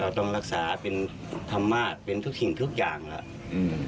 ต้องรักษาเป็นธรรมาศเป็นทุกสิ่งทุกอย่างแล้วอืม